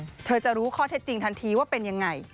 มันจะรู้ข้อเท็จจริงทันทีว่าเป็นยังไง